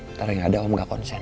ntar yang ada om gak konsen